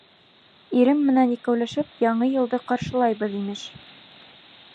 Ирем менән икәүләшеп Яңы йылды ҡаршылайбыҙ, имеш!